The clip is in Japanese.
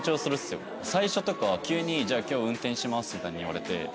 最初とか急にじゃあ今日運転しますみたいに言われて。